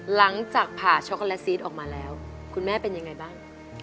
หลังจากผ่าช็อกโกแลตซีสออกมาแล้วคุณแม่เป็นยังไงบ้าง